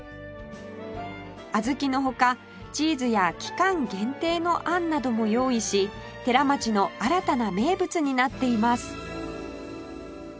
あずきの他チーズや期間限定のあんなども用意し寺町の新たな名物になっています